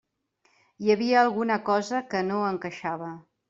Hi havia alguna cosa que no encaixava.